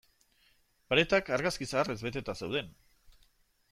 Paretak argazki zaharrez beteta zeuden.